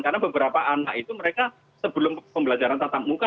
karena beberapa anak itu mereka sebelum pembelajaran tatap muka